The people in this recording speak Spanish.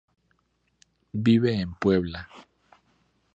Vive en Puebla.